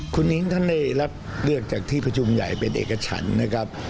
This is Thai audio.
คุณนิ้งท่านได้รับเลือกจากที่ประชุมใหญ่เป็นเอกฉันนะครับ